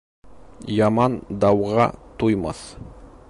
Яман дауға туймаҫ.